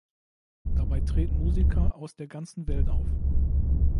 Dabei treten Musiker aus der ganzen Welt auf.